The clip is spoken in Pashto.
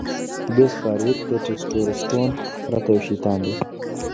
ګس فارویک د ټسټورسټون پرته یو شیطان دی